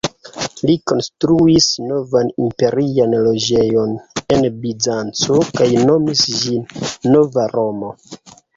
Li konstruis novan imperian loĝejon en Bizanco kaj nomis ĝin "Nova Romo".